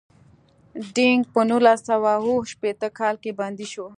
دینګ په نولس سوه اووه شپیته کال کې بندي شو.